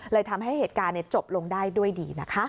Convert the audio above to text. เลยทำให้เหตุการณ์จบลงได้ด้วยดี